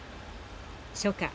初夏